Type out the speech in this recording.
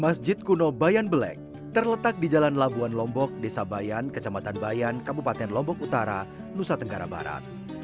masjid kuno bayan belek terletak di jalan labuan lombok desa bayan kecamatan bayan kabupaten lombok utara nusa tenggara barat